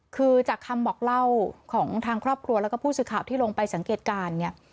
คือจากคำบอกเล่าของทางครอบครัวแล้วก็ผู้สื่อข่าวที่ลงไปสังเกตการณ์เนี่ย